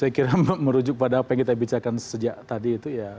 saya kira merujuk pada apa yang kita bicarakan sejak tadi itu ya